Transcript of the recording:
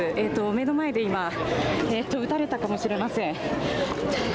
目の前で撃たれたかもしれません。